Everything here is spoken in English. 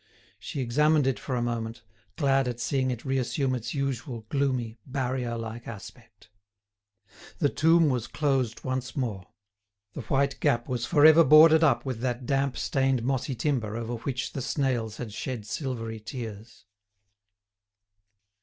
She examined it for a moment, glad at seeing it reassume its usual gloomy, barrier like aspect. The tomb was closed once more; the white gap was for ever boarded up with that damp stained mossy timber over which the snails had shed silvery tears.